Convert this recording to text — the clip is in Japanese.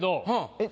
えっ。